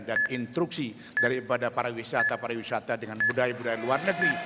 dan instruksi daripada para wisata wisata dengan budaya budaya luar negeri